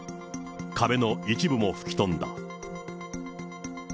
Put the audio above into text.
壁の一部も吹き飛んだ。